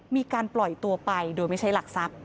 มีการปล่อยตัวไปโดยไม่ใช้หลักทรัพย